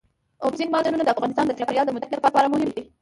اوبزین معدنونه د افغانستان د چاپیریال د مدیریت لپاره مهم دي.